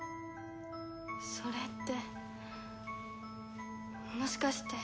それってもしかして。